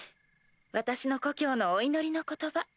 私の故郷のお祈りの言葉。